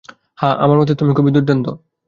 হ্যাঁ, আমার মতে তুমি খুবই দুর্দান্ত।